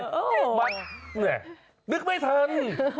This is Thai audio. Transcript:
เนี่ยนึกไม่ถึง